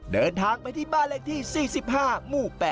เดินทางไปที่บ้านเลขที่๔๕หมู่๘